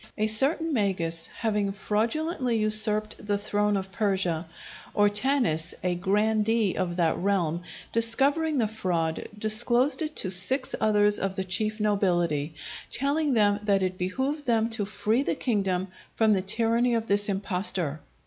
A certain Magus having fraudulently usurped the throne of Persia; Ortanes, a grandee of that realm, discovering the fraud, disclosed it to six others of the chief nobility, telling them that it behoved them to free the kingdom from the tyranny of this impostor.